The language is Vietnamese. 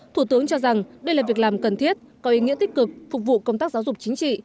thủ tướng cho rằng đây là việc làm cần thiết có ý nghĩa tích cực phục vụ công tác giáo dục chính trị